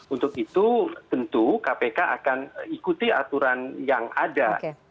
untuk itu tentu kpk akan ikuti aturan yang ada